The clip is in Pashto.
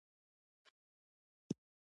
څرګند، څرګندونه، څرګندوی، څرګندونې